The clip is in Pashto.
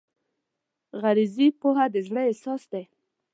غریزي پوهه د زړه احساس دی.